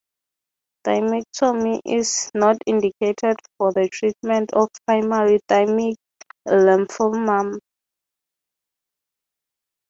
Thymectomy is not indicated for the treatment of primary thymic lymphomas.